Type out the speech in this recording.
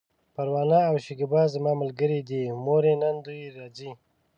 پروانه او شکيبه زما ملګرې دي، مورې! نن دوی راځي!